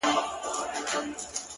هغه وويل زيری دي وي، هلک مي پيدا کړ.